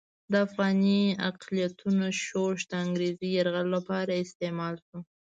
د افغاني اقلیتونو شورش د انګریزي یرغل لپاره استعمال شو.